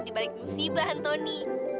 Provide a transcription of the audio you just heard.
di balik usiban tony